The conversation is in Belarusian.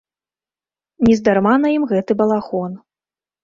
Нездарма на ім гэты балахон.